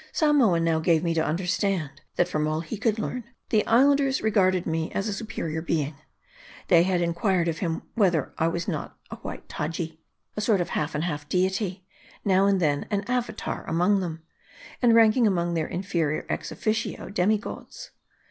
Samoa now gave me to understand, that from all he could learn, the Islanders regarded me as a superior being. They had inquired of him, whether I was not white Taji, a sort of half and half deity, now and then an Avatar among them, and ranking among their inferior ex officio demi gods.